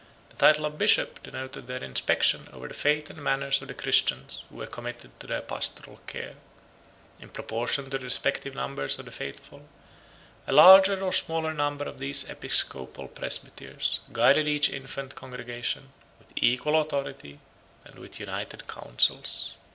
The title of Bishop denoted their inspection over the faith and manners of the Christians who were committed to their pastoral care. In proportion to the respective numbers of the faithful, a larger or smaller number of these episcopal presbyters guided each infant congregation with equal authority and with united counsels.